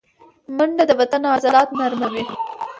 منډه د بدن عضلات نرموي